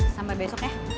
sampai besok ya